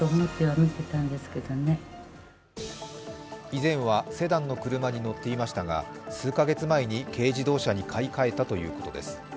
以前はセダンの車に乗っていましたが、数か月前に軽自動車に買い替えたということです。